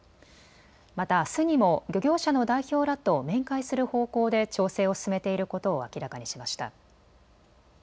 また、あすにも漁業者の代表らと面会する方向で調整を進めていることを明らかにしました。